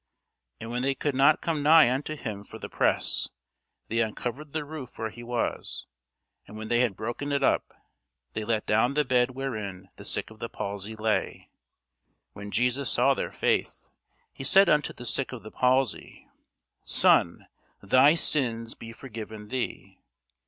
And when they could not come nigh unto him for the press, they uncovered the roof where he was: and when they had broken it up, they let down the bed wherein the sick of the palsy lay. When Jesus saw their faith, he said unto the sick of the palsy, Son, thy sins be forgiven thee.